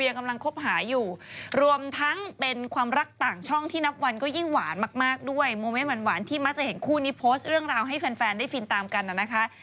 ก็มีโพสต์เรื่องราวให้แฟนได้ฟินตามกันอะนะคะ